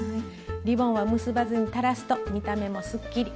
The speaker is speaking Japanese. リボンは結ばずに垂らすと見た目もすっきり。